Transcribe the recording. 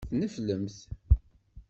Tneflemt.